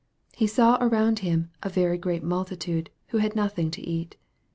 He saw around Him a "very great multitude," who had nothing to eat.